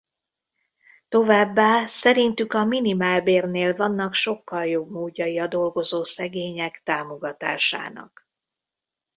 Továbbá szerintük a minimálbérnél vannak sokkal jobb módjai a dolgozó szegények támogatásának.